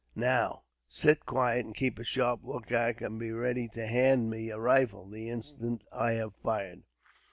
Now, sit quiet and keep a sharp lookout, and be ready to hand me a rifle, the instant I have fired."